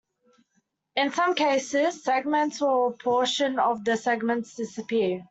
In some cases segments or a portion of the segments disappear.